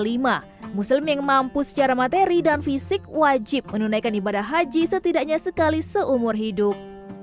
muslim yang mampu secara materi dan fisik wajib menunaikan ibadah haji setidaknya sekali seumur hidup